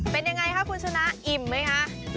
เป็นยังไงคะคุณชนะอิ่มไหมคะ